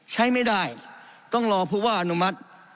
ใช้ไม่ได้ต้องรอผู้ว่าอนุมัติ